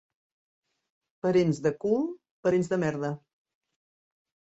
Parents de cul, parents de merda.